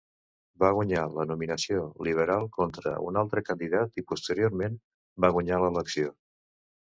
Va guanyar la nominació Liberal contra un altre candidat i, posteriorment, va guanyar l'elecció.